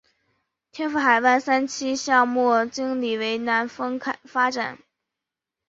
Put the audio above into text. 天赋海湾三期项目经理为南丰发展。